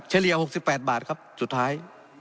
เฉลี่ย๖๘บาทครับสุดท้าย